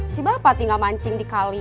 si bapak tinggal mancing di kali